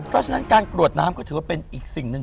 เพราะฉะนั้นการกรวดน้ำก็ถือว่าเป็นอีกสิ่งหนึ่ง